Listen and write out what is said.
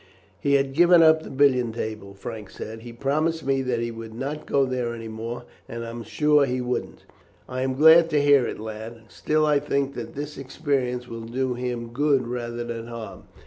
"He had given up the billiard table," Frank said. "He promised me that he would not go there any more, and I am sure he wouldn't." "I am glad to hear it, lad; still I think that this experience will do him good rather than harm.